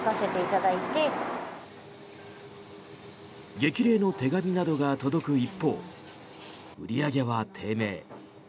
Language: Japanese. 激励の手紙などが届く一方売り上げは低迷。